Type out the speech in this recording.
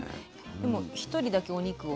でも一人だけお肉を。